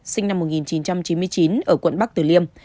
sinh năm một nghìn chín trăm chín mươi chín ở quận bắc tử liêm